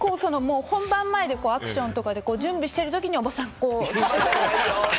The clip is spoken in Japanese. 本番前で、アクションで準備してるときにおばさん。